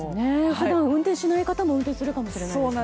普段、運転しない方も運転するかもしれないですよね。